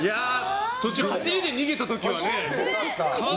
途中、走りで逃げた時はね。